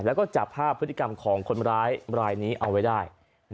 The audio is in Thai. แล้วก็จับภาพพฤติกรรมของคนร้ายรายนี้เอาไว้ได้